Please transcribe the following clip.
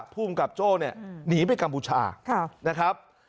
ผู้กำกับโจ้นี่หนีไปกัมพูชานะครับ